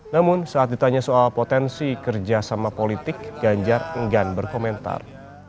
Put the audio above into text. namun saat ditanya soal potensi kerjasama politik ganjar enggan berkomentar